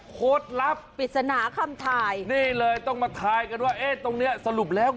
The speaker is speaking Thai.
โคตรลับนี่เลยต้องมาทายกันว่าเอ๊ตรงนี้สรุปแล้ว